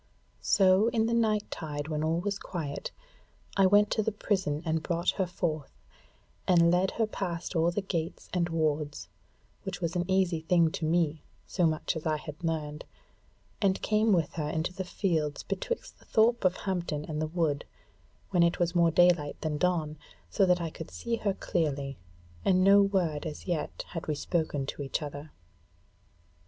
So in the night tide when all was quiet I went to the prison and brought her forth, and led her past all the gates and wards, which was an easy thing to me, so much as I had learned, and came with her into the fields betwixt the thorp of Hampton and the wood, when it was more daylight than dawn, so that I could see her clearly, and no word as yet had we spoken to each other.